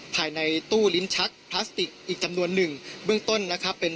ภายในตู้ลิ้นชักพลาสติกอีกจำนวนหนึ่งเบื้องต้นนะครับเป็น